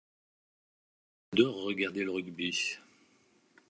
de regarder le rugby